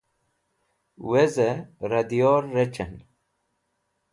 Weze! Ra Diyor Rec̃han